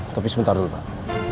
tapi sebentar dulu pak